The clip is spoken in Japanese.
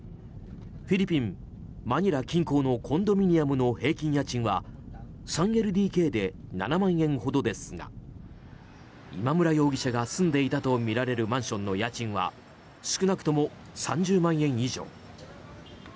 フィリピン・マニラ近郊のコンドミニアムの平均家賃は３ＬＤＫで７万円ほどですが今村容疑者が住んでいたとみられるマンションの家賃は少なくとも３０万円以上。